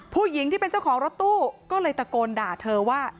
ผู้หญิงที่เป็นเจ้าของรถตู้ก็เลยตะโกนด่าเธอว่า